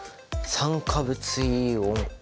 「酸化物イオン」。